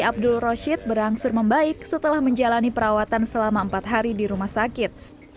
abdul rashid berangsur membaik setelah menjalani perawatan selama empat hari di rumah sakit